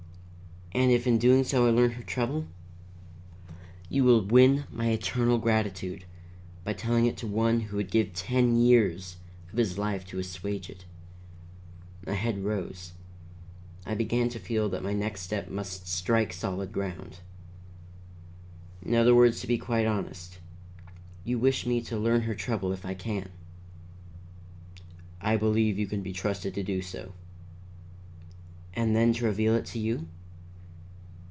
"And if in doing so I learn her trouble?" "You will win my eternal gratitude by telling it to one who would give ten years of his life to assuage it." My head rose. I began to feel that my next step must strike solid ground. "In other words to be quite honest you wish me to learn her trouble if I can." "I believe you can be trusted to do so." "And then to reveal it to you?"